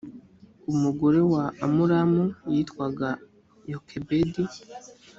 umugore wa amuramu yitwaga yokebedi.